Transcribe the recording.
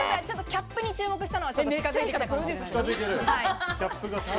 キャップに注目したのは近づいてる。